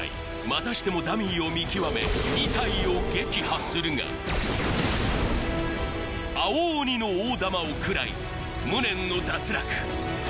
またしてもダミーを見極め２体を撃破するが青鬼の大玉を食らい無念の脱落